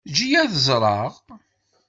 Eǧǧ-iyi ad ẓreɣ.